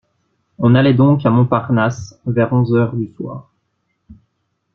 On allait donc à Montparnasse vers onze heures du soir.